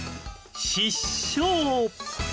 「失笑」